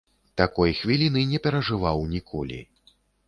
Такой хвіліны не перажываў ніколі.